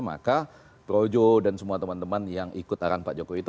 maka projo dan semua teman teman yang ikut arahan pak jokowi itu